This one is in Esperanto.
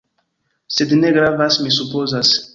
Sed ne gravas, mi supozas.